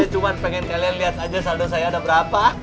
cuma pengen kalian lihat aja saldo saya ada berapa